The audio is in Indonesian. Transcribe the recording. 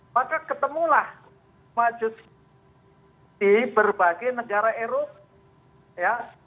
maka ketemulah maju di berbagai negara eropa ya